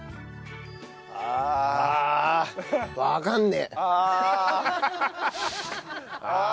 ああ。